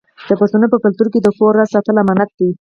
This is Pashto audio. د پښتنو په کلتور کې د کور راز ساتل امانت دی.